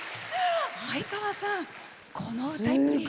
相川さん、この歌いっぷり。